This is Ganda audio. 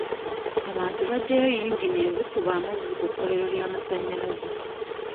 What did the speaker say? Abantu bagyayo yingini ezikuba amazzi ku kkolero ly'amasanyalaze.